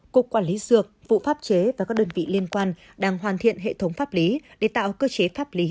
cục quản lý dược vụ pháp chế và các đơn vị liên quan đang hoàn thiện hệ thống pháp lý để tạo cơ chế pháp lý